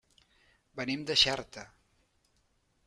Venim de Xerta.